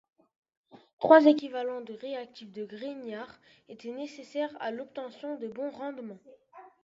Trois équivalents de réactif de Grignard étaient nécessaires à l’obtention de bons rendements.